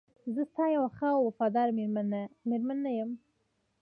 زه ستا یوه ښه او وفاداره میرمن نه یم؟